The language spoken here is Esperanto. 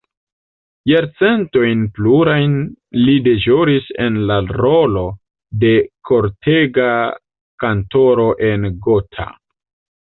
Jarcentojn plurajn li deĵoris en la rolo de kortega kantoro en Gotha.